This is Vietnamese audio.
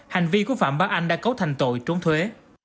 hành vi của phạm bá anh đã cấu thành tội trốn thuế